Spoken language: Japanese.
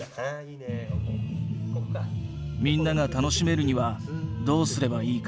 みんなが楽しめるにはどうすればいいか。